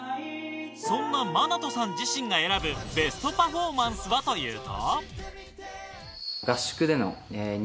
そんなマナトさん自身が選ぶベストパフォーマンスはというと。